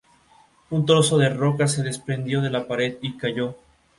Un trozo de roca se desprendió de la pared y cayó.